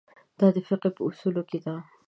دا د فقهې په اصولو کې ده.